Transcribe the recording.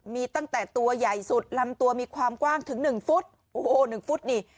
มีตั้งแต่ตัวใหญ่สุดลำตัวมีความกว้างถึงหนึ่งฟุตโอ้โหหนึ่งฟุตนี่